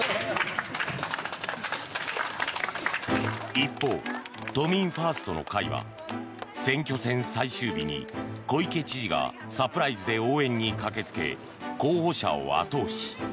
一方、都民ファーストの会は選挙戦最終日に小池知事がサプライズで応援に駆けつけ候補者を後押し。